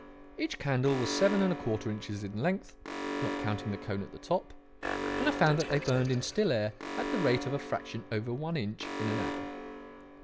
Each candle was seven and a quarter inches in length, not counting the cone at the top, and I found that they burned in still air at the rate of a fraction over one inch in an hour.